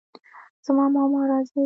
زما ماما راځي